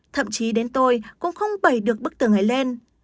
thậm chí đến tôi cũng không bẩy được bức tường ấy lên